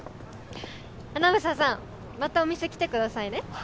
英さんまたお店来てくださいね。